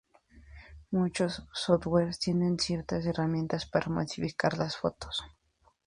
Muchos softwares tiene ciertas herramientas para modificar las fotos.